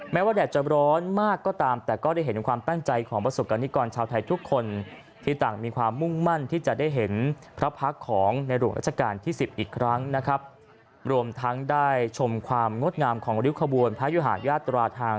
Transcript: แม้ว่าแดดจะร้อนมากก็ตามแต่ก็ได้เห็นความตั้งใจของประสบการณีกรชาวไทยทุกคน